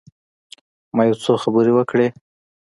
ما یو څو خبرې وکړې.